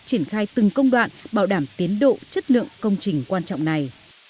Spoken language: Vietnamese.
triển khai từng công đoạn bảo đảm tiến độ chất lượng công trình quan trọng này